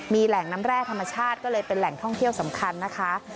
มีแหล่งน้ำแร่ธรรมชาติก็เลยเป็นแหล่งท่องเที่ยวสำคัญนะคะ